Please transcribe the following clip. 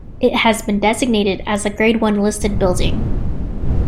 It has been designated as a Grade One listed building.